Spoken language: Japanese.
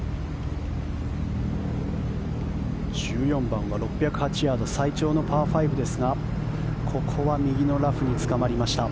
１４番は６０８ヤード最長のパー５ですがここは右のラフにつかまりました。